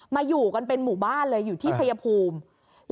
อยู่กันเป็นหมู่บ้านเลยอยู่ที่ชายภูมิ